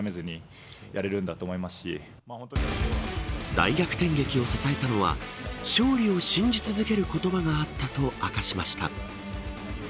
大逆転劇を支えたのは勝利を信じ続ける言葉があったと明かしました。